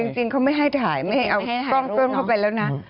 จริงเขาไม่ให้ถ่ายไม่ให้เอากล้องเพิ่มเข้าไปแล้วนะ